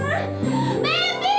ada emang lu